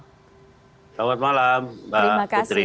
selamat malam mbak putri